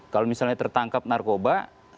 kalau misalnya tertangkap narkoba